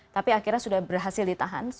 tapi akhirnya sudah berhasil ditahan